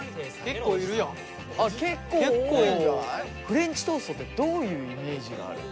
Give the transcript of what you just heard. フレンチトーストってどういうイメージがある？